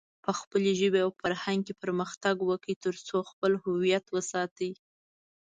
په خپلې ژبې او فرهنګ کې پرمختګ وکړئ، ترڅو خپل هويت وساتئ.